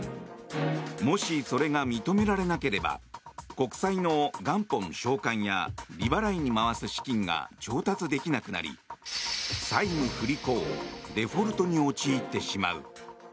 もし、それが認められなければ国債の元本償還や利払いに回す資金が調達できなくなり債務不履行、デフォルトに陥ってしまう。